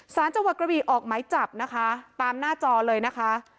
สารจังหวัดกระบีออกไหมจับนะคะตามหน้าจอเลยนะคะ